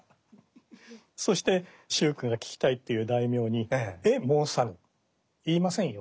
そして秀句が聞きたいっていう大名に「え申さぬ」言いませんよ。